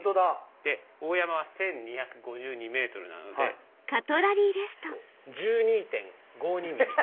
大山は１２５２ｍなので１２．５２ｍｍ。